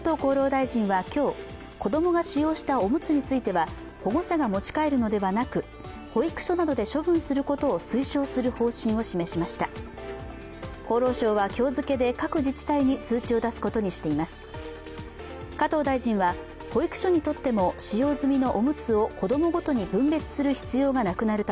今日、子供が使用したおむつについては保護者が持ち帰るのではなく保育所などで処分することを推奨する方針を示しました。